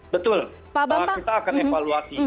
betul pak bapak kita akan evaluasi